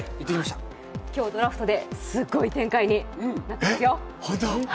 今日、ドラフトですごい展開になっていますよ。